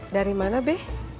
dari mana be